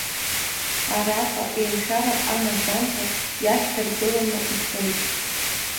Араҟа еилшәарак амаӡамкәа иашьҭаргыланы ицоит.